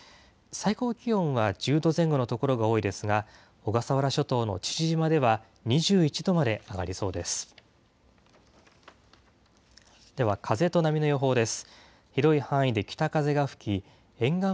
最高気温は１０度前後の所が多いですが、小笠原諸島の父島では２１度まで上がりそうです。